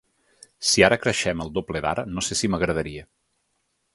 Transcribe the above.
Si ara creixem el doble d’ara, no sé si m’agradaria.